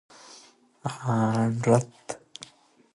علي سرور لودي د لودیانو د شاعرانو په ډله کښي راځي.